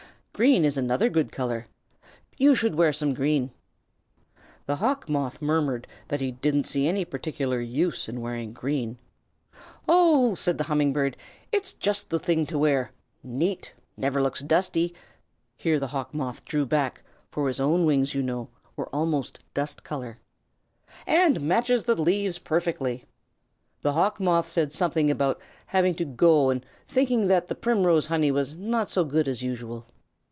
Green is another good color. You should wear some green." The Hawk Moth murmured that he didn't see any particular use in wearing green. "Oh," said the Humming Bird, "it is just the thing to wear neat, never looks dusty" (here the Hawk Moth drew back, for his own wings, you know, were almost dust color), "and matches the leaves perfectly." The Hawk Moth said something about having to go and thinking that the primrose honey was not so good as usual.